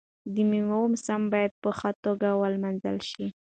د میوو موسم باید په ښه توګه ولمانځل شي.